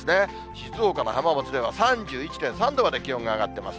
静岡の浜松でも３１．３度まで気温が上がってます。